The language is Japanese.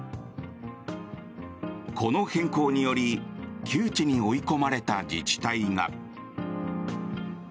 この変更により窮地に追い込まれた自治体が。